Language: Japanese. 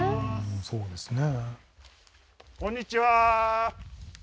そうですね